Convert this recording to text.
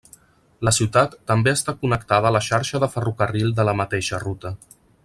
La ciutat també està connectada a la xarxa de ferrocarril de la mateixa ruta.